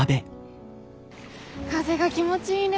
風が気持ちいいね。